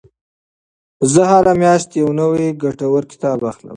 زه هره میاشت یو نوی ګټور کتاب اخلم.